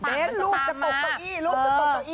เบนลูกจะตกตะอี้